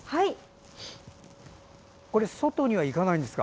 外に行かないんですか？